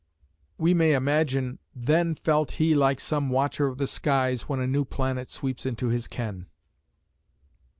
We may imagine "Then felt he like some watcher of the skies When a new planet sweeps into his ken."